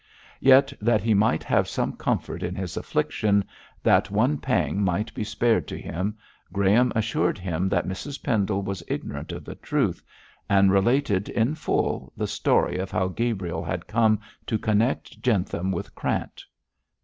Yet that he might have some comfort in his affliction, that one pang might be spared to him, Graham assured him that Mrs Pendle was ignorant of the truth, and related in full the story of how Gabriel had come to connect Jentham with Krant.